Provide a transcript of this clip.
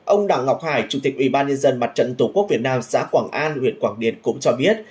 ông đảng ngọc hải chủ tịch ủy ban nhân dân mặt trận tổ quốc việt nam xã quảng an huyện quảng điền cũng cho biết